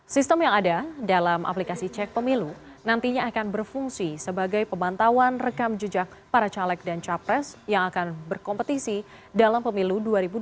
sistem yang ada dalam aplikasi cek pemilu nantinya akan berfungsi sebagai pemantauan rekam jejak para caleg dan capres yang akan berkompetisi dalam pemilu dua ribu dua puluh